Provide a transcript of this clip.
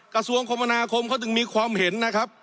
กระทรวงคมนาคมเขาจึงมีความเห็นนะครับ